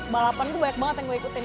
balapan tuh banyak banget yang gue ikutin